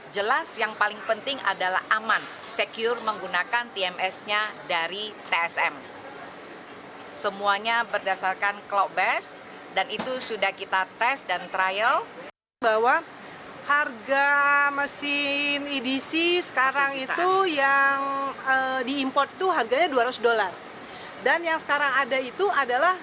jelas yang paling penting adalah aman secure menggunakan tms nya dari tsm